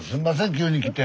急に来て。